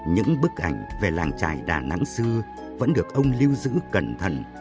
những bức ảnh về làng trải đà nẵng xưa vẫn được ông lưu giữ cẩn thận